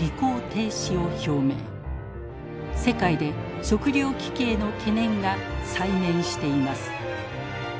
世界で食糧危機への懸念が再燃しています。